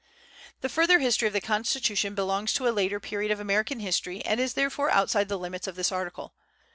The further history of the Constitution belongs to a later period of American history and is therefore outside the limits of this article.